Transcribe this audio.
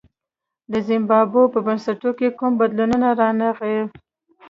د زیمبابوې په بنسټونو کې کوم بدلون رانغی.